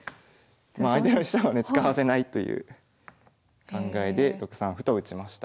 まあ相手の飛車をね使わせないという考えで６三歩と打ちました。